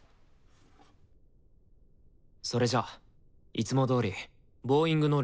それじゃいつもどおりボーイングの練習から。